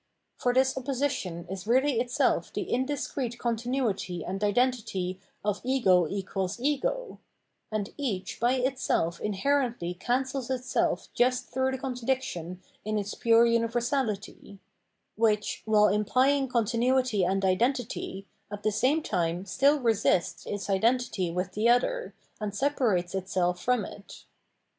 For this opposition is reaUy itself the indiscrete continuity and identity of ego = ego ; and each by itself inherently cancels itself just through the contradiction in its pure universality, which, while implying continuity and identity, at the same time still resists its identity with the other, and separates itself from it.